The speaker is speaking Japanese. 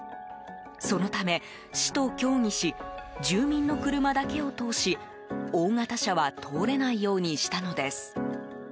そのため、市と協議し住民の車だけを通し大型車は通れないようにしたのです。